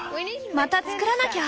またつくらなきゃ。